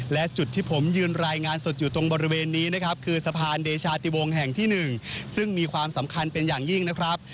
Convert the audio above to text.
และจุดที่ผมยืนรายงานสดอยู่ตรงบริเวณนี้นะครับคือสะพานเดชาติวงแห่งที่๑ซึ่งมีความสำคัญเป็นอย่างยิ่งนะครับ